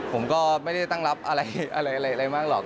ผมก็ไม่ได้ตั้งรับอะไรมากหรอก